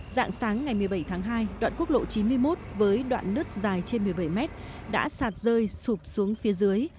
dạng sáng ngày một mươi bảy tháng hai đoạn quốc lộ chín mươi một với đoạn nứt dài trên một mươi bảy mét đã sạt rơi sụp xuống phía dưới